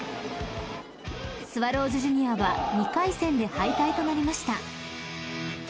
［スワローズジュニアは２回戦で敗退となりました］